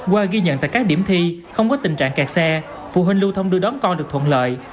qua ghi nhận tại các điểm thi không có tình trạng kẹt xe phụ huynh lưu thông đưa đón con được thuận lợi